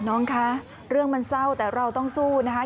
น้องคะเรื่องมันเศร้าแต่เราต้องสู้นะคะ